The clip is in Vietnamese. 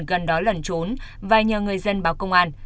gần đó lẩn trốn và nhờ người dân báo công an